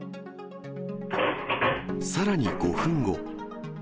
さらに５分後。